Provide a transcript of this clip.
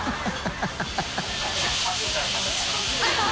ハハハ